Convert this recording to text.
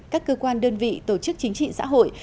các cơ quan đơn vị tổ chức chính trị xã hội